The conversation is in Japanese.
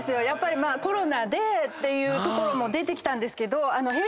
コロナでっていうところも出てきたんですけど。